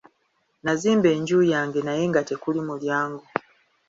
Nazimba enju yange naye nga tekuli mulyango.